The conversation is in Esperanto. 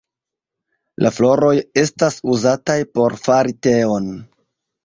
La floroj estas uzataj por fari teon.